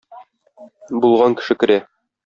Булган кеше керә.